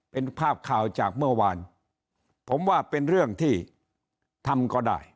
เป็นภาพข่าวจากเมื่อวานผมว่าเป็นเรื่องที่ทำก็ได้